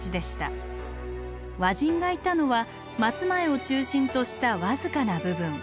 和人がいたのは松前を中心とした僅かな部分。